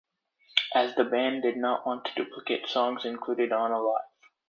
As the band did not want to duplicate songs included on Alive!